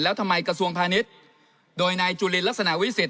แล้วทำไมกระทรวงพาณิชย์โดยนายจุลินลักษณะวิเศษ